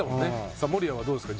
さぁ守屋はどうですか？